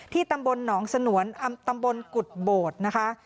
ตำบลหนองสนวนตำบลกุฎโบดนะคะ